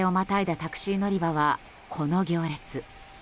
タクシー乗り場はこの行列。